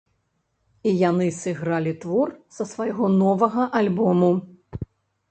І яны сыгралі твор са свайго новага альбому.